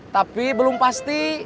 tapi belum pasti